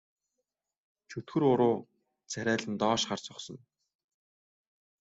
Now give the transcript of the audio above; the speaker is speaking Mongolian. Чөтгөр уруу царайлан доош харж зогсоно.